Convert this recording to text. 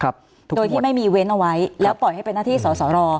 โดยที่ไม่มีเว้นเอาไว้แล้วปล่อยให้เป็นหน้าที่สอสอรอ